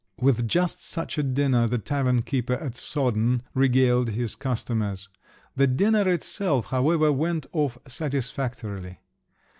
With just such a dinner the tavernkeeper at Soden regaled his customers. The dinner, itself, however, went off satisfactorily.